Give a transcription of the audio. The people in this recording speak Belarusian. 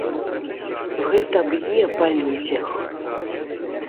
Гэта б'е па людзях.